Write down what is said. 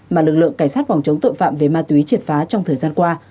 mà lực lượng cảnh sát phòng chống tội phạm về ma túy triệt phá trong thời gian qua